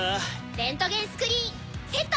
レントゲンスクリーンセット！